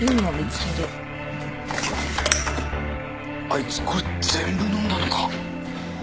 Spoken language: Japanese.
あいつこれ全部飲んだのか？